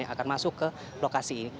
yang akan masuk ke lokasi ini